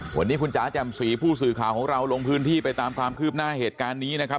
วันนี้คุณจ๋าแจ่มสีผู้สื่อข่าวของเราลงพื้นที่ไปตามความคืบหน้าเหตุการณ์นี้นะครับ